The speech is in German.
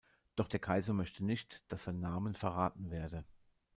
Doch der Kaiser möchte nicht, dass sein Name verraten werde.